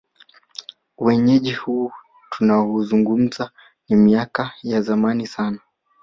Uenyeji huu tunaouzungumza ni miaka ya zamani sana